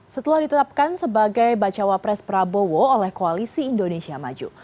setelah ditetapkan sebagai bacawa pres prabowo oleh koalisi indonesia maju